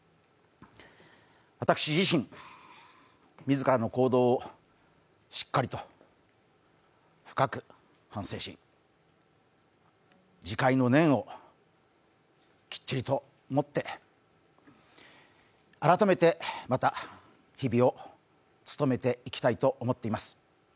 私自身、自らの行動をしっかりと深く反省し自戒の念をきっちりと持って改めて、また日々を務めていきたいと思っております。